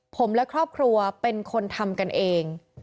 ผมและครอบครัวเป็นคนทำกันเอง